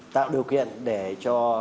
tạo điều kiện để cho